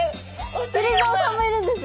釣竿さんもいるんです。